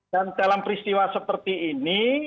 dan dalam peristiwa seperti ini